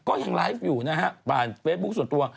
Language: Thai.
ก็ยังลายฟอยู่บ้านเฟซบุ๊คส่วนตัว